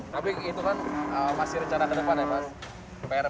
tapi itu kan masih rencana kedepan ya pak